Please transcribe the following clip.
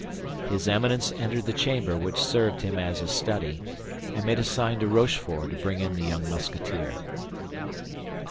His Eminence entered the chamber which served him as a study, and made a sign to Rochefort to bring in the young Musketeer.